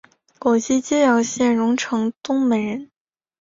广东揭阳县榕城东门人。